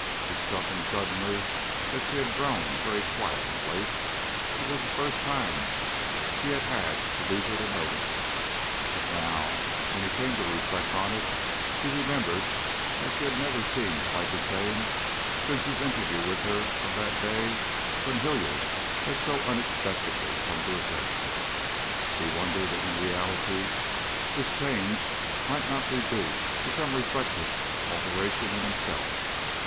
It struck him suddenly that she had grown very quiet of late. It was the first time he had had the leisure to notice it, but now, when he came to reflect on it, he remembered that she had never seemed quite the same since his interview with her on that day when Hilliard had so unexpectedly come to his rescue. He wondered if in reality this change might not be due to some reflected alteration in himself.